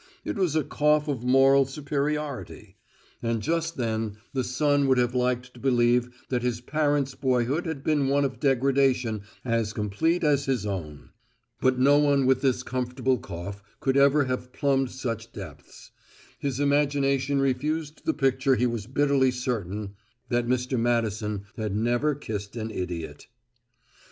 It was a cough of moral superiority; and just then the son would have liked to believe that his parent's boyhood had been one of degradation as complete as his own; but no one with this comfortable cough could ever have plumbed such depths: his imagination refused the picture he was bitterly certain that Mr. Madison had never kissed an idiot.